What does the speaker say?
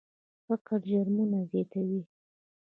فقر جرمونه زیاتوي.